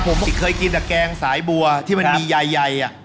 ผมเคยกินแต่แกงสายบัวที่มันมีใหญ่